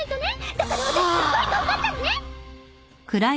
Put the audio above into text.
だから私すっごい頑張ったのね！